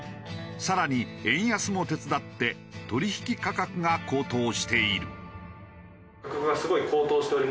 さらに円安も手伝って取引価格が高騰している。